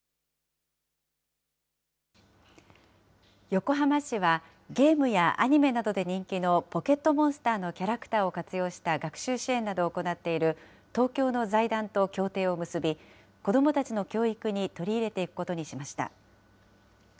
横浜市はゲームやアニメなどで人気のポケットモンスターのキャラクターを活用した学習支援などを行っている東京の財団と協定を結び、子どもたちの教育に取り入れていくことにしました。